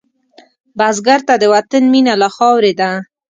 بزګر ته د وطن مینه له خاورې ده